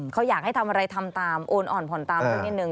เขาอยากให้ทำอะไรทำตามโอนอ่อนผ่อนตามสักนิดนึ